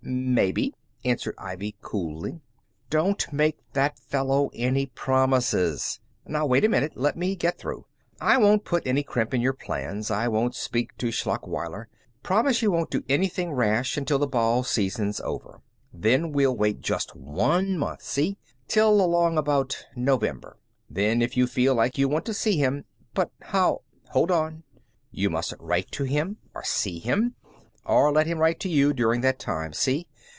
"Maybe," answered Ivy, coolly. "Don't make that fellow any promises. Now wait a minute! Let me get through. I won't put any crimp in your plans. I won't speak to Schlachweiler. Promise you won't do anything rash until the ball season's over. Then we'll wait just one month, see? Till along about November. Then if you feel like you want to see him " "But how " "Hold on. You mustn't write to him, or see him, or let him write to you during that time, see?